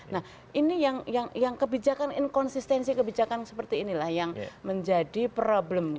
nah ini yang kebijakan inkonsistensi kebijakan seperti inilah yang menjadi problem